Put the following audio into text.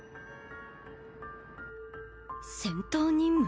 戦闘任務？